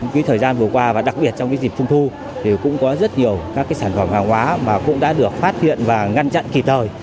cái thời gian vừa qua và đặc biệt trong dịp trung thu thì cũng có rất nhiều các sản phẩm hàng hóa mà cũng đã được phát hiện và ngăn chặn kịp thời